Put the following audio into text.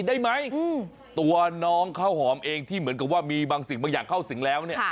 ได้ไหมตัวน้องข้าวหอมเองที่เหมือนกับว่ามีบางสิ่งบางอย่างเข้าสิงแล้วเนี่ย